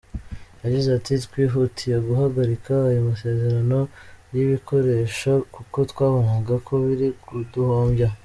Yagize ati “Twihutiye guhagarika ayo masezerano y’ibikoresho kuko twabonaga ko biri kuduhombya.